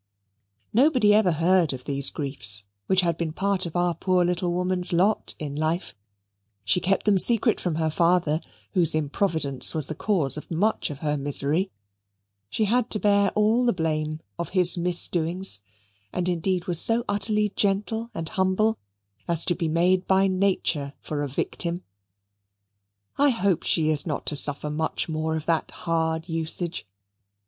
Nobody ever heard of these griefs, which had been part of our poor little woman's lot in life. She kept them secret from her father, whose improvidence was the cause of much of her misery. She had to bear all the blame of his misdoings, and indeed was so utterly gentle and humble as to be made by nature for a victim. I hope she is not to suffer much more of that hard usage.